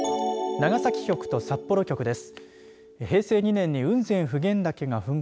長崎局と札幌局です。